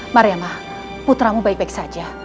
mariema putramu baik baik saja